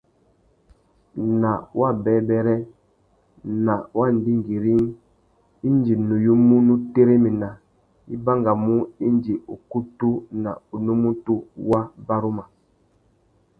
Nà wabêbêrê, nà wa ndingüîring, indi nuyumú nu téréména, i bangamú indi ukutu na unúmútú wá baruma.